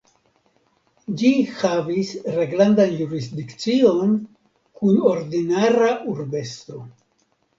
Ĝi havis reglandan jurisdikcion kun ordinara urbestro.